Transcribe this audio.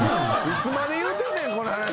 いつまで言うてんねんこの話。